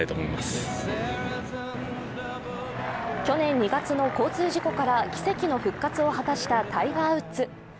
去年２月の交通事故から奇跡の復活を果たしたタイガー・ウッズ。